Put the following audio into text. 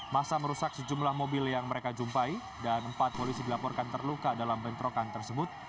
masa merusak sejumlah mobil yang mereka jumpai dan empat polisi dilaporkan terluka dalam bentrokan tersebut